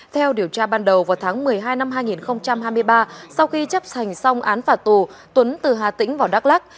theo điều tra ban đầu vào tháng một mươi hai năm hai nghìn hai mươi ba sau khi chấp hành xong án phạt tù tuấn từ hà tĩnh vào đắk lắc